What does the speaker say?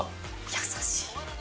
優しい。